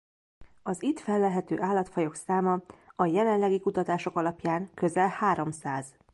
Az itt fellelhető állatfajok száma a jelenlegi kutatások alapján közel háromszáz.